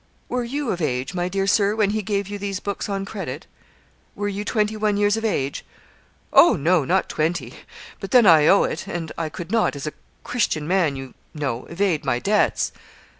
'Were you of age, my dear Sir, when he gave you these books on credit? Were you twenty one years of age?' 'Oh! no; not twenty; but then I owe it, and I could not, as s a Christian man, you know, evade my debts.'